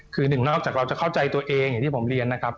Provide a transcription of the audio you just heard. คือหนึ่งนอกจากเราจะเข้าใจตัวเองอย่างที่ผมเรียนนะครับ